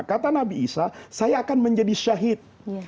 kata nabi isa saya akan menjadi syahid